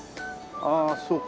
ああそうか。